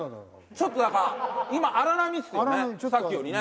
ちょっとだから今荒波ですよねさっきよりね。